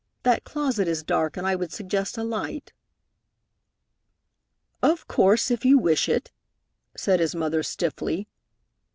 That closet is dark, and I would suggest a light." "Of course, if you wish it," said his mother stiffly.